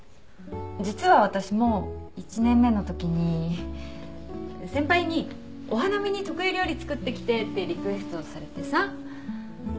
実は私も１年目のときに先輩に「お花見に得意料理作ってきて」ってリクエストされてさ。